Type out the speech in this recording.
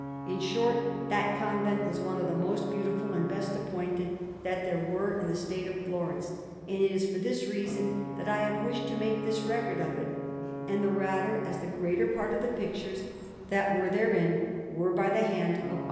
In short, that convent was one of the most beautiful and best appointed that there were in the State of Florence; and it is for this reason that I have wished to make this record of it, and the rather as the greater part of the pictures that were therein were by the hand of our Pietro Perugino.